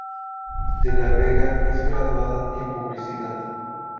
De La Vega es graduada en Publicidad.